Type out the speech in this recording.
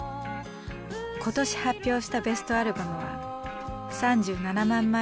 今年発表したベストアルバムは３７万枚以上を売り上げ